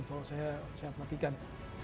kalau saya perhatikan